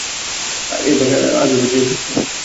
অ্যাজাক আজও বেঁচে থাকতো।